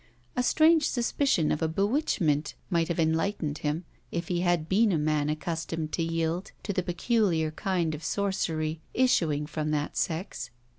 A strange suspicion of a bewitchment might have enlightened him if he had been a man accustomed to yield to the peculiar kind of sorcery issuing from that sex.